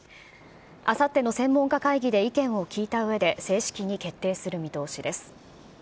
あさっての専門家会議で意見を聞いたうえで、正式に決定する見通しです。